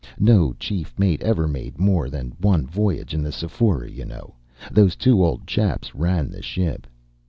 No chief mate ever made more than one voyage in the Sephora, you know. Those two old chaps ran the ship.